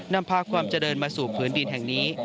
นำพากว่าความเจอเดินมาสู่พื้นดินแห่งนี้